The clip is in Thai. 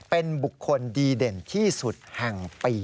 เป็นบุคคลดีเด่นที่สุดแห่งปี